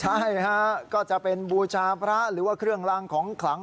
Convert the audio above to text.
ใช่ฮะก็จะเป็นบูชาพระหรือว่าเครื่องรางของขลัง